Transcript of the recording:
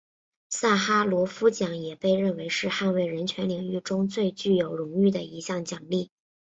萨哈罗夫奖也被认为是捍卫人权领域中最具有荣誉的一项奖励。